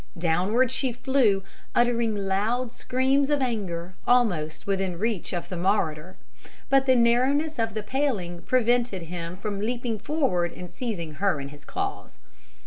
Downward she flew, uttering loud screams of anger almost within reach of the marauder, but the narrowness of the paling prevented him from leaping forward and seizing her in his claws.